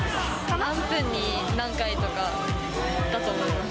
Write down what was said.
何分に何回とかだと思います。